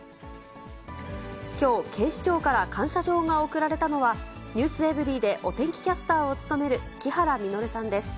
きょう、警視庁から感謝状が贈られたのは、ｎｅｗｓｅｖｅｒｙ．でお天気キャスターを務める木原実さんです。